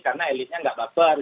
karena elitnya tidak lapar